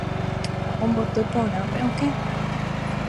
Omboty porã pe okẽ